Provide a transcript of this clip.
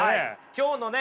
今日のね